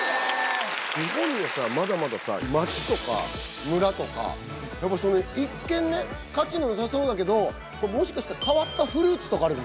日本でまだまださ町とか村とか一見ね価値なさそうだけどもしかしたら変わったフルーツとかあるかも。